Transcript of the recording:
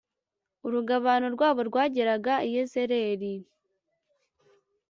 urugabano rwabo rwageraga i yezereli